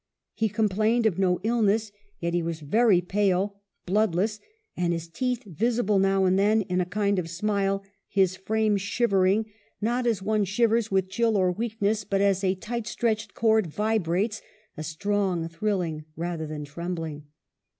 He com plained of no illness, yet he was very pale, blood less, " and his teeth visible now and then in a kind of smile ; his frame shivering, not as one 2 yo EMILY BRONTE. shivers with chill or weakness, but as a tight stretched cord vibrates — a strong thrilling, rather than trembling."